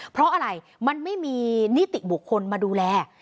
เพราะอะไรมันไม่มีนิติบุคคลมาดูแล